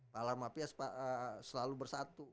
pahala mafia selalu bersatu